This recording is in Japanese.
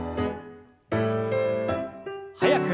速く。